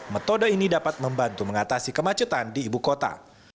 metode ini dapat membantu mengatasi kemacetan di ibu kota